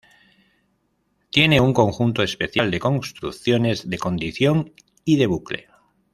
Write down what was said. Tiene un conjunto especial de construcciones de condición y de bucle.